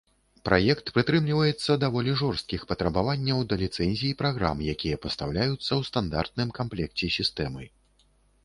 Праект прытрымліваецца даволі жорсткіх патрабаванняў да ліцэнзій праграм, якія пастаўляюцца ў стандартным камплекце сістэмы.